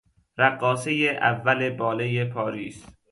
رقاصهی اول بالهی پاریس